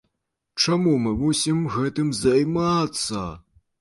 Чаму мы мусім гэтым займацца?